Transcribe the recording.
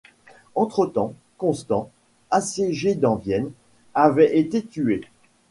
Entre-temps, Constant, assiégé dans Vienne, avait été tué.